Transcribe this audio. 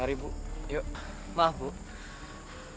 sekarang ultra tahu kita kan tidakgap tunggu